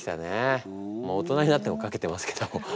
大人になってもかけてますけど。